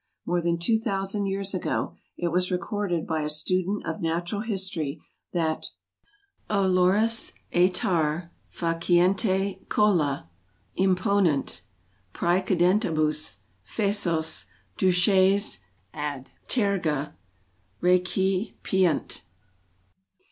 More than two thousand years ago it was recorded by a student of natural history that, "Olores iter facientes colla imponunt praecedentibus; fessos duces ad terga recipiunt."